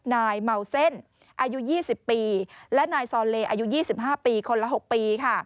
นายเมาเส้นอายุ๒๐ปีและนายซอนเลอายุ๒๕ปีคนละ๖ปีค่ะ